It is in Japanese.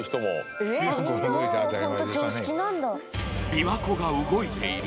びわ湖が動いている？